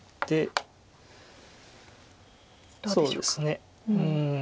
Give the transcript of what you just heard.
そうですね。